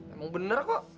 emang benar kok